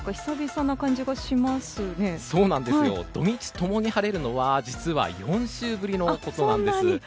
そうなんです土日ともに晴れるのは実は４週ぶりのことなんです。